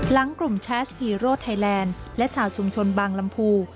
หลังกลุ่มแชสฮีโร่ไทยแลนด์และชาวชุมชนบางลำพู